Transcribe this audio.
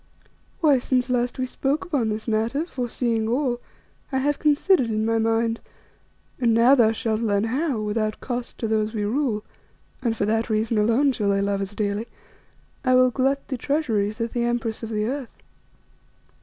Why, since last we spoke upon this matter, foreseeing all, I have considered in my mind, and now thou shalt learn how, without cost to those we rule and for that reason alone shall they love us dearly I will glut the treasuries of the Empress of the Earth.